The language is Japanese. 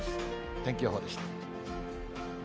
天気予報でした。